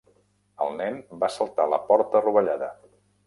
El nen va saltar la porta rovellada.